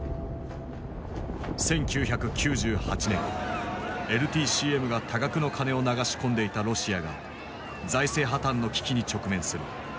１９９８年ＬＴＣＭが多額の金を流し込んでいたロシアが財政破綻の危機に直面する。